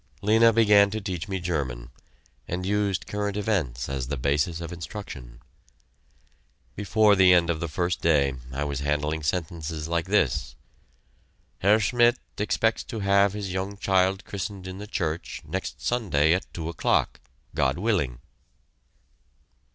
Lena began to teach me German, and used current events as the basis of instruction. Before the end of the first day I was handling sentences like this "Herr Schmidt expects to have his young child christened in the church next Sunday at 2 o'clock, God willing."